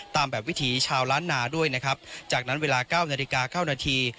ตามแบบวิถีชาวล้านนาด้วยนะครับจากนั้นเวลาเก้านาฬิกาเก้านาที